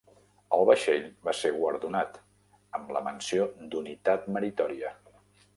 El vaixell va ser guardonat amb la Menció d'unitat meritòria.